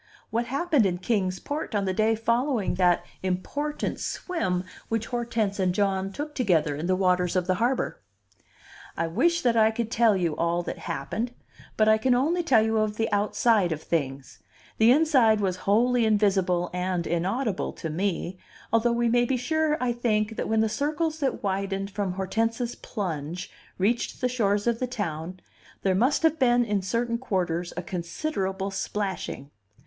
What happened in Kings Port on the day following that important swim which Hortense and John took together in the waters of the harbor? I wish that I could tell you all that happened, but I can only tell you of the outside of things; the inside was wholly invisible and inaudible to me, although we may be sure, I think, that when the circles that widened from Hortense's plunge reached the shores of the town, there must have been in certain quarters a considerable splashing.